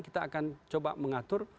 kita akan coba mengatur